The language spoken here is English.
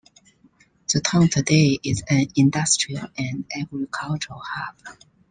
The town today is an industrial and agricultural hub.